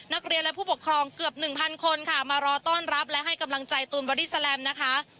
นักเรียนและผู้ปกครองเกือบหนึ่งพันคนค่ะมารอต้อนรับและให้กำลังใจตูนบอดี้แลมนะคะ